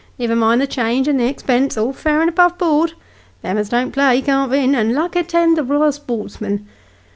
niver mind the change, and the expense : all fair and above board : them as don't play can't vin, and luck attend the ryal sportsman